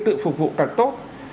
tự phục vụ càng tốt